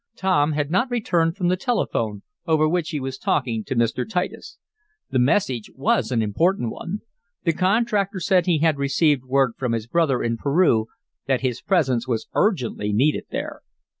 Tom had not returned from the telephone, over which he was talking to Mr. Titus. The message was an important one. The contractor said he had received word from his brother in Peru that his presence was urgently needed there.